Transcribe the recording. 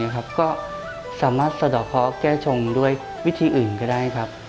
ก็สามารถสะดอกเคาะแก้ชงด้วยวิธีอื่นก็ได้ครับ